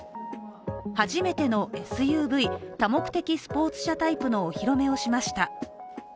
初めてのＳＵＶ＝多目的スポーツ車タイプのお披露目をしました。